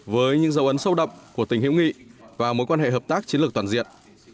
với những dấu ấn sâu đậm của tình hữu nghị và mối quan hệ hợp tác chiến lược toàn diện